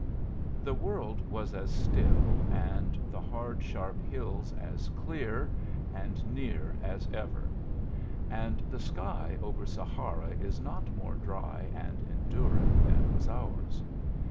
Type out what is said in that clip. The world was as still and the hard, sharp hills as clear and near as ever; and the sky over Sahara is not more dry and enduring than was ours.